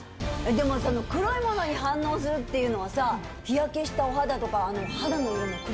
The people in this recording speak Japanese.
でもその黒いものに反応するっていうのはさ日焼けしたお肌とか。